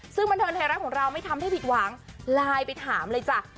ซึ่งบันเทิงไทยรัฐของเราไม่ทำให้ผิดหวังไลน์ไปถามเลยจ้ะ